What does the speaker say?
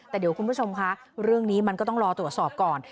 แต่เดี๋ยวคุณผู้ชมคะเรื่องนี้มันก็ต้องรอตรวจสอบก่อน